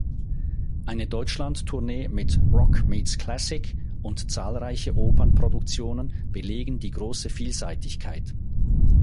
Eine Deutschland-Tournee mit "Rock meets Classic" und zahlreiche Opernproduktionen belegen die große Vielseitigkeit.